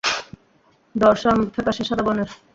Dorsum ফ্যাকাশে সাদা বর্নের।